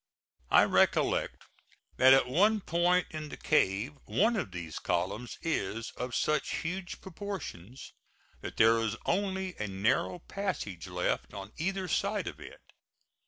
I recollect that at one point in the cave one of these columns is of such huge proportions that there is only a narrow passage left on either side of it.